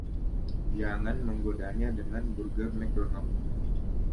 Jangan menggodanya dengan burger McDonald.